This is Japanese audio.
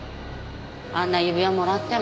あんな指輪もらっても。